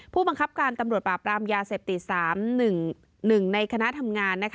ผู้บังคับการตำรวจปราบรามยาเสพติด๓๑ในคณะทำงาน